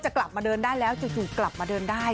กลับมาเดินได้แล้วจู่กลับมาเดินได้